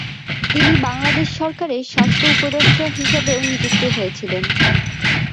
তিনি বাংলাদেশ সরকারের স্বাস্থ্য উপদেষ্টা হিসেবেও নিযুক্ত হয়েছিলেন।